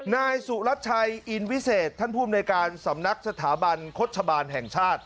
นายสุรัชชัยอินวิเศษท่านภูมิในการสำนักสถาบันโฆษบาลแห่งชาติ